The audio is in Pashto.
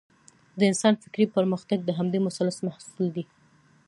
د انسان فکري پرمختګ د همدې مثلث محصول دی.